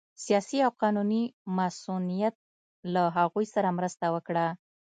سیاسي او قانوني مصونیت له هغوی سره مرسته وکړه